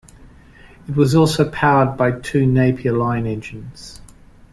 It was also powered by two Napier Lion engines.